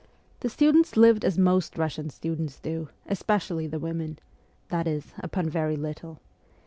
The students lived as most Russian students do, especially the women that is, upon very little.